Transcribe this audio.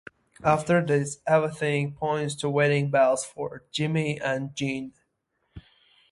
After this everything points to wedding bells for Jimmy and Jean.